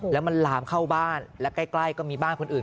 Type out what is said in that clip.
แล้วมันลามเข้าบ้านและใกล้ก็มีบ้านคนอื่น